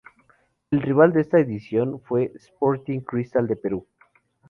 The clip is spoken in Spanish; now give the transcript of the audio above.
El rival de esta edición fue Sporting Cristal de Perú.